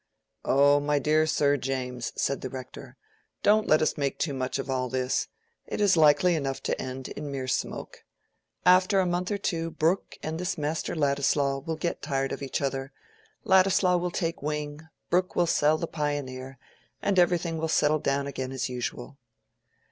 "Oh my dear Sir James," said the Rector, "don't let us make too much of all this. It is likely enough to end in mere smoke. After a month or two Brooke and this Master Ladislaw will get tired of each other; Ladislaw will take wing; Brooke will sell the 'Pioneer,' and everything will settle down again as usual."